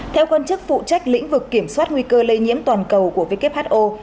theo quan chức phụ trách lĩnh vực kiểm soát nguy cơ lây nhiễm toàn cầu của who